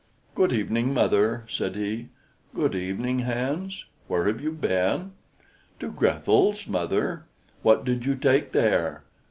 "Good evening, mother," said he. "Good evening, Hans. Where have you been?" "To Grethel's, mother." "What did you take there?"